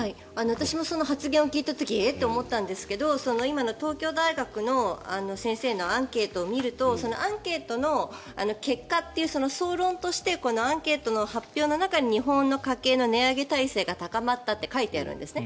私もその発言を聞いた時え？と思ったんですが今の東京大学の先生のアンケートを見るとアンケートの結果という総論としてこのアンケートの発表の中に日本の家計の値上げ耐性が高まったと書いてあるんですね。